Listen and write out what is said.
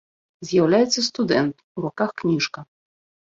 З'яўляецца студэнт, у руках кніжка.